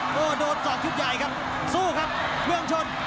โอ้โหโดนสอกชุดใหญ่ครับสู้ครับเมืองชน